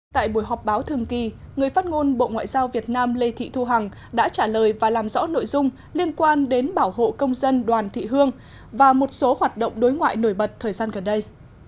tại buổi họp báo thường kỳ người phát ngôn bộ ngoại giao việt nam lê thị thu hằng đã trả lời và làm rõ nội dung liên quan đến bảo hộ công dân đoàn thị hương và một số hoạt động đối ngoại nổi bật thời gian gần đây